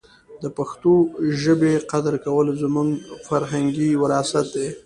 د پښتو ژبې قدر کول زموږ فرهنګي وراثت دی.